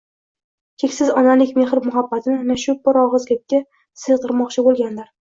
Cheksiz onalik mehr-muhabbatini ana shu bir ogʻiz gapga sigʻdirmoqchi boʻlgandir